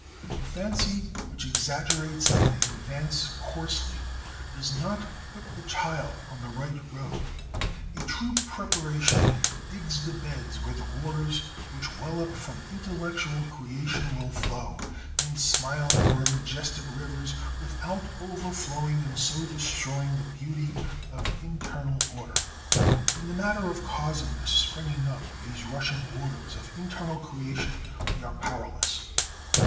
The fancy which exaggerates and invents coarsely does not put the child on the right road. A true preparation digs the beds where the waters which well up from intellectual creation will flow in smiling or majestic rivers, without overflowing and so destroying the beauty of internal order. In the matter of causing the springing up of these rushing waters of internal creation we are powerless.